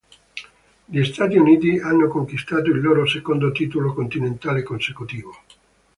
Gli Stati Uniti hanno conquistato il loro secondo titolo continentale consecutivo.